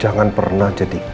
jangan pernah menjadikan kamioi